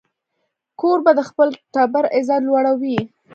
کوربه د خپل ټبر عزت لوړوي.